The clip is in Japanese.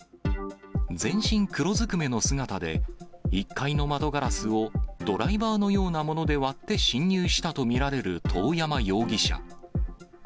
全身黒ずくめの姿で、１階の窓ガラスをドライバーのようなもので割って侵入したと見られる遠山容疑者。